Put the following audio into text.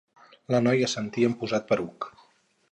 La noia assentí amb posat poruc.